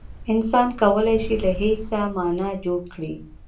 انسان کولای شي له هېڅه مانا جوړ کړي.